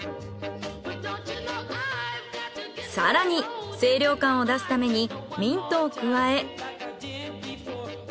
更に清涼感を出すためにミントを加え。